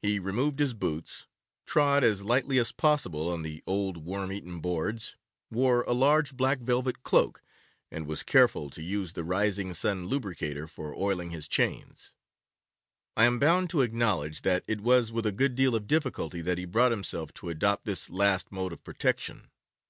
He removed his boots, trod as lightly as possible on the old worm eaten boards, wore a large black velvet cloak, and was careful to use the Rising Sun Lubricator for oiling his chains. I am bound to acknowledge that it was with a good deal of difficulty that he brought himself to adopt this last mode of protection.